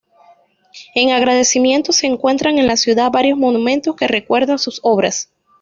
En agradecimiento se encuentran en la ciudad varios monumentos que recuerdan sus obras.